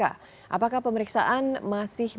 apakah pemeriksaan masih berjalan